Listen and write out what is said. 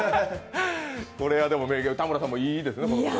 これは名言、田村さんもいいですね。